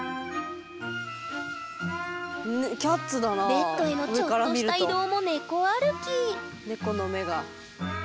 ベッドへのちょっとした移動も猫歩き猫の目が。